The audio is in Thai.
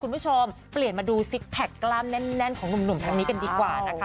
คุณผู้ชมเปลี่ยนมาดูซิกแพคกล้ามแน่นของหนุ่มทั้งนี้กันดีกว่านะคะ